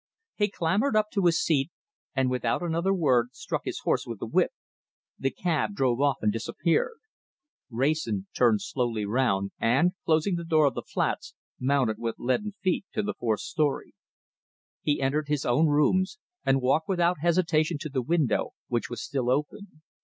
He clambered up to his seat, and without another word struck his horse with the whip. The cab drove off and disappeared. Wrayson turned slowly round, and, closing the door of the flats, mounted with leaden feet to the fourth story. He entered his own rooms, and walked without hesitation to the window, which was still open.